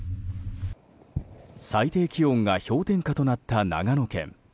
最低気温が氷点下となった長野県。